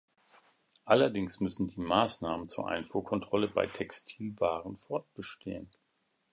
Allerdings müssen die Maßnahmen zur Einfuhrkontrolle bei Textilwaren fortbestehen.